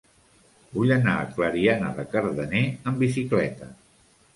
Vull anar a Clariana de Cardener amb bicicleta.